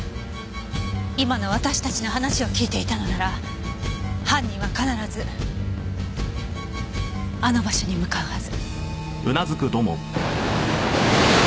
今の私たちの話を聞いていたのなら犯人は必ずあの場所に向かうはず。